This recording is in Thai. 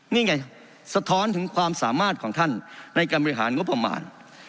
นี่ไงสะท้อนถึงความสามารถของท่านในการบริหารงบประมาณ